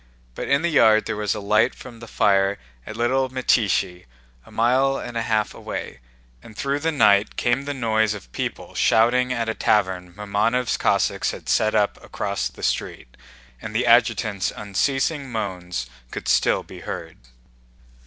But in the yard there was a light from the fire at Little Mytíshchi a mile and a half away, and through the night came the noise of people shouting at a tavern Mamónov's Cossacks had set up across the street, and the adjutant's unceasing moans could still be heard.